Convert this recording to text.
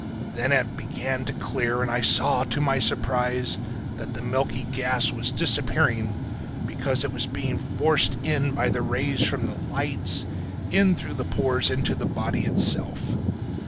Then it began to clear, and I saw to my surprise that the milky gas was disappearing because it was being forced in by the rays from the lights in through the pores into the body itself.